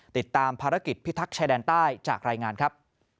ติดตามภารกิจพิทักษ์ชายแดนใต้จากรายงานครับ